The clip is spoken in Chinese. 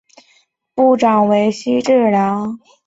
前任局长为许志梁。